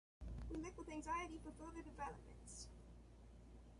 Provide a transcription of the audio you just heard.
We look with anxiety for further developments.